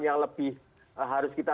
yang lebih harus kita